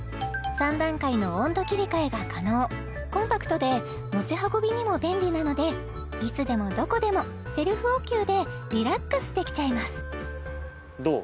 ３段階の温度切り替えが可能コンパクトで持ち運びにも便利なのでいつでもどこでもセルフお灸でリラックスできちゃいますどう？